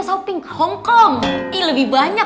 yaudah duluan ya